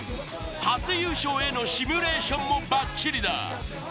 初優勝へのシミュレーションもバッチリだ。